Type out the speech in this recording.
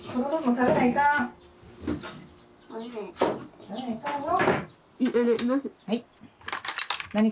食べないかんよ。